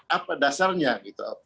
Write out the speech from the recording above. apa dasarnya gitu